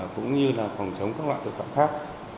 cũng như là phòng chống các loại tội phạm khác